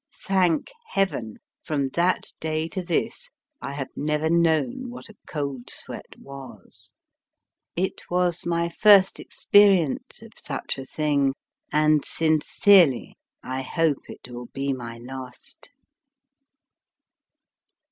Thank Heaven, from that day to this I have never known what a cold sweat was. It was my first experience of such a thing, and sincerely I hope it will be my last.